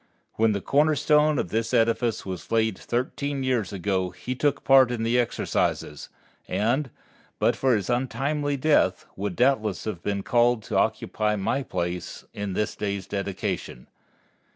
When the corner stone of this edifice was laid thirteen years ago he took part in the exercises, and, but for his untimely death, would doubtless have been called to occupy my place in this day's dedication.